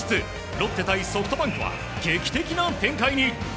ロッテ対ソフトバンクは劇的な展開に。